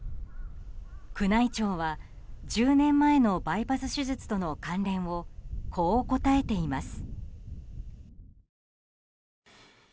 宮内庁は１０年前のバイパス手術との関連をこう答えています。